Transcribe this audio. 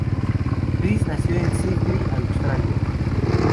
Chris nació en Sídney, Australia.